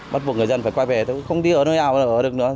bắt buộc người dân phải quay về thôi không đi ở nơi nào là ở được nữa